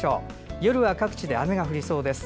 夜は各地で雨が降りそうです。